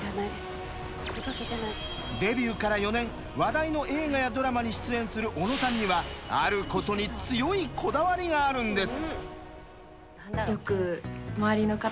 デビューから４年話題の映画やドラマに出演する小野さんにはあることに強いこだわりがあるんです。